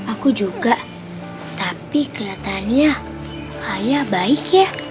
aku juga tapi kelihatannya ayah baik ya